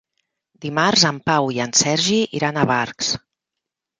Dimarts en Pau i en Sergi iran a Barx.